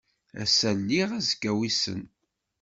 Ass-a lliɣ, azekka wissen.